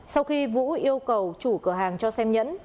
sau khi vũ yêu cầu chủ cửa hàng cho xem nhẫn